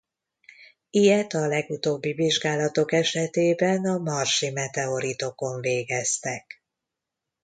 Ilyet a legutóbbi vizsgálatok esetében a marsi meteoritokon végeztek.